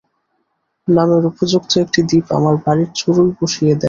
নামের উপযুক্ত একটি দীপ আমার বাড়ির চুড়োয় বসিয়ে দেব।